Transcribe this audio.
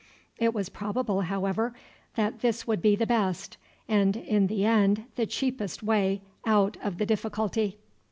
It was probable, however, that this would be the best, and in the end the cheapest way out of the difficulty.